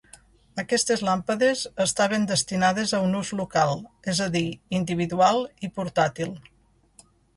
Aquestes làmpades estaven destinades a un ús local, és a dir individual i portàtil.